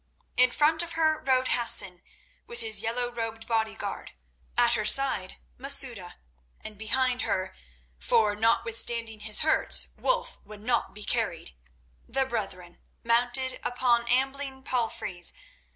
In front of her rode Hassan, with his yellow robed bodyguard; at her side, Masouda; and behind—for, notwithstanding his hurts, Wulf would not be carried—the brethren, mounted upon ambling palfreys.